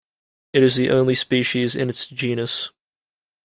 It is the only species in its genus.